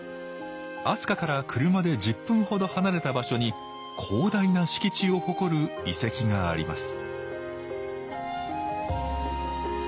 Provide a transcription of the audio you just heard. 飛鳥から車で１０分ほど離れた場所に広大な敷地を誇る遺跡があります